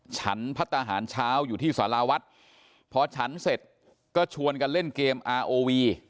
ฉันพัฒนาหารเช้าอยู่ที่สาราวัดพอฉันเสร็จก็ชวนกันเล่นเกมอาโอวี